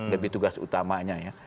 lebih tugas utamanya ya